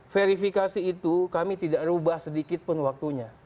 verifikasi itu kami tidak rubah sedikit pun waktunya